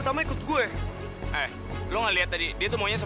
kalau gitu aku buatin daim manis ya